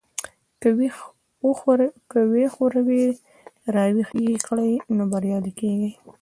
که يې وښوروئ او را ويښ يې کړئ نو بريالي کېږئ.